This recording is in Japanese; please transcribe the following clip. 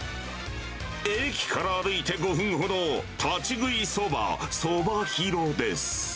駅から歩いて５分ほど、立ち食いそばそばひろです。